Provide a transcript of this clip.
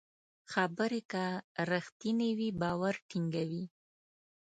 خبرې که رښتینې وي، باور ټینګوي.